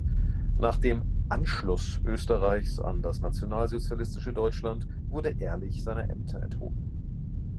Nach dem „Anschluss“ Österreichs an das nationalsozialistische Deutschland wurde Ehrlich seiner Ämter enthoben.